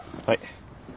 はい。